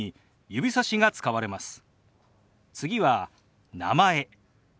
次は「名前」。